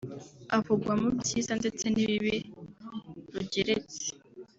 avugwa mu byiza ndetse n’ibibi rugeretse